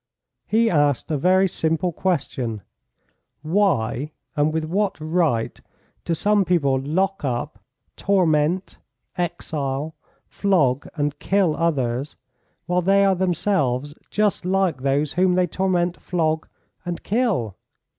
He asked a very simple question: "Why, and with what right, do some people lock up, torment, exile, flog, and kill others, while they are themselves just like those whom they torment, flog, and kill?"